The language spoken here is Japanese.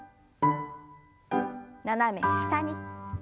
斜め下に。